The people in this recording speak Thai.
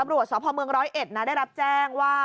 ตำรวจสพเมืองร้อยเอ็ดนะได้รับแจ้งว่า